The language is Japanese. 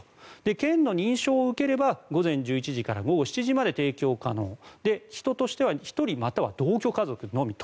県の認証を受ければ午前１１時から午後７時まで提供可能で、人としては１人または同居家族のみと。